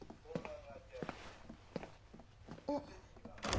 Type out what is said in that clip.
あっ。